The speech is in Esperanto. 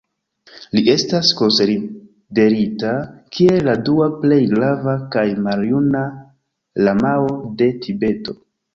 Li estas konsiderita kiel la dua plej grava kaj maljuna lamao de Tibeto.